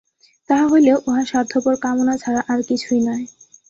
তাহা হইলেও উহা স্বার্থপর কামনা ছাড়া আর কিছুই নয়।